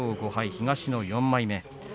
東の４枚目。